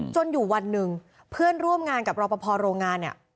อยู่วันหนึ่งเพื่อนร่วมงานกับรอปภโรงงานเนี่ย